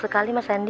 saya juga beranijak